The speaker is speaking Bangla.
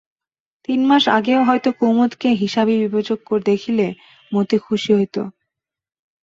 তিন মাস আগেও হয়তো কুমুদকে হিসাবি বিবেচক দেখিলে মতি খুশি হইত।